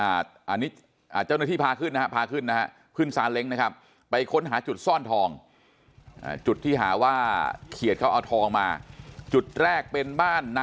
อันนี้เจ้าหน้าที่พาขึ้นนะฮะพาขึ้นนะฮะขึ้นสาเล้งนะครับ